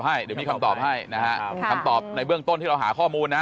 ให้เดี๋ยวมีคำตอบให้นะฮะคำตอบในเบื้องต้นที่เราหาข้อมูลนะ